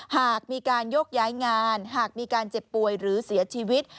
หากมีการโยกย้ายงานหากมีการเจ็บป่วยหรือเสียชีวิต